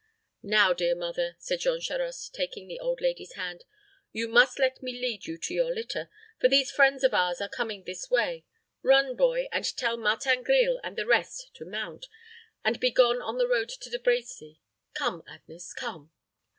"Now, dear mother," said Jean Charost, taking the old lady's hand, "you must let me lead you to your litter; for these friends of ours are coming this way. Run, boy, and tell Martin Grille and the rest to mount, and be gone on the road to De Brecy. Come, Agnes, come."